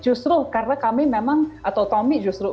justru karena kami memang atau tommy justru